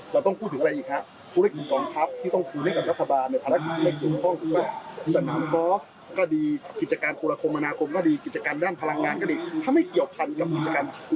สองคือเรื่องการคืนพื้นที่๕๒๐๐ไล่ในกรุงเทพธรรมครับ